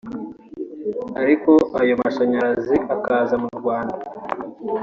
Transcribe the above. ariko ayo mashanyarazi akaza mu Rwanda